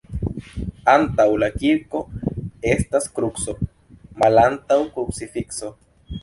Antaŭ la kirko estas kruco malantaŭ krucifikso.